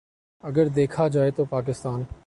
اگر دیکھا جائے تو پاکستان